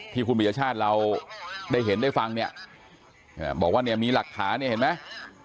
ที่คุณปียชาติเราได้เห็นได้ฟังเนี่ยบอกว่าเนี่ยมีหลักฐานเนี่ยเห็นไหม